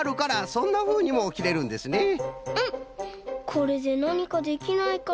これでなにかできないかな？